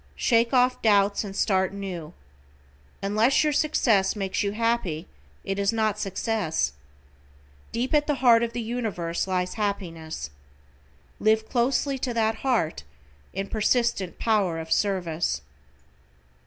Shake off doubts and start new. Unless your success makes you happy it is not success. Deep at the heart of the Universe lies happiness. Live closely to that heart, in persistent power of service.